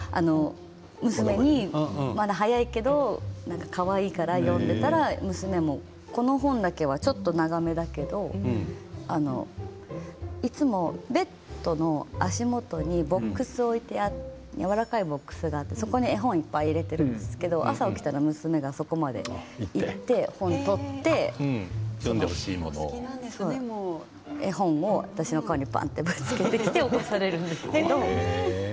娘にまだ早いからかわいいから読んでいたら娘も、この本だけはちょっと長めだけどいつも、ベッドの足元にやわらかいボックスが置いてあって、そこに本をたくさん入れてるんですけど朝起きたら娘はそこまで行って本を取って絵本を私の顔にばんとぶつけて起こされるんです。